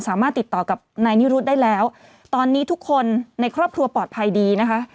สามารถติดต่อกับนายนิรุธได้แล้วตอนนี้ทุกคนในครอบครัวปลอดภัยดีนะคะ